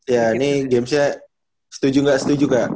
ya ini gamesnya setuju gak setuju gak